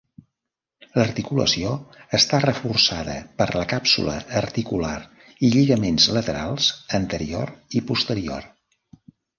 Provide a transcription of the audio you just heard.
L'articulació està reforçada per la càpsula articular i lligaments laterals, anterior i posterior.